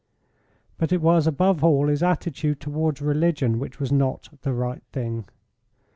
But it was above all his attitude towards religion which was not "the right thing."